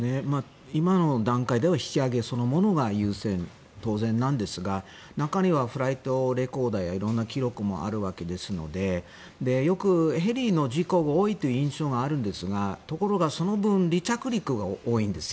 今の段階では引き揚げそのものが優先当然なんですが中にはフライトレコーダーや色んな記録もあるわけですのでよくヘリの事故が多いという印象があるんですがところがその分、離着陸が多いんです。